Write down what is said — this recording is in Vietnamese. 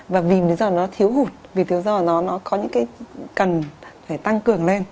và vì vì do nó thiếu hụt vì vì do nó có những cái cần phải tăng cường lên